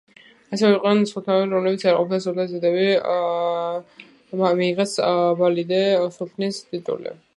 ასევე იყვნენ სულთნები, რომლებიც არ ყოფილან სულთნის დედები, მაგრამ მიიღეს ვალიდე სულთნის ტიტული.